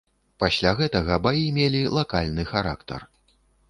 Пасля гэтага баі мелі лакальны характар.